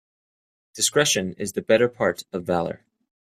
Discretion is the better part of valour.